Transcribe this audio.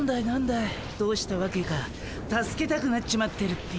いどうしたわけか助けたくなっちまってるっピィ。